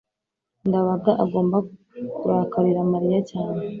ndabaga agomba kurakarira mariya cyane